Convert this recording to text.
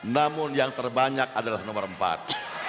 namun yang terbanyak adalah nomor empat